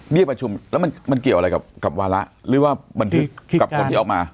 ประชุมแล้วมันเกี่ยวอะไรกับวาระหรือว่าบันทึกกับคนที่ออกมา